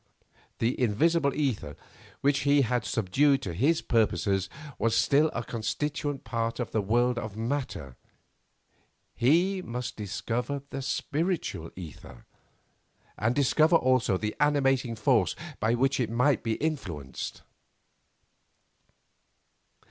The invisible ether which he had subdued to his purposes was still a constituent part of the world of matter; he must discover the spiritual ether, and discover also the animating force by which it might be influenced.